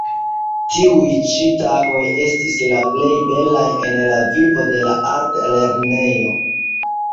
Tiuj ĉi tagoj estis la plej belaj en la vivo de la artlernejo.